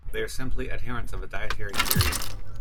They are simply adherents of a dietary theory.